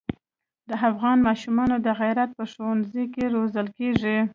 د افغان ماشومان د غیرت په ښونځي کې روزل کېږي.